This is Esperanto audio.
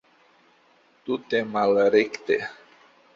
Tute malrekte!